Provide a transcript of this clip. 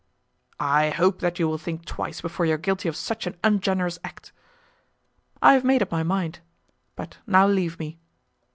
"I hope that you will think twice before you are guilty of such an ungenerous act." "I have made up my mind; but now leave me."